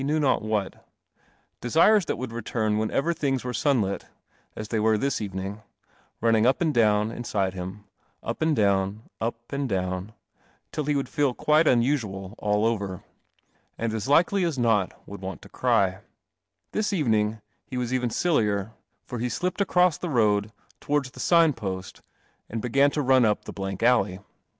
CE1 EST! VL OMNIBUS It, he kiu ■•.. I what, d uld return whenever thin* were sunlit, as thev were tfa evening, running up and down inside him, up and down, up and down, till he would feel quite unusual all , and a likely I ■• ild want to cry« This evening he wai even sillier, for he slipped aci the road t< ward* the sign pi I and began to run up the blank alley.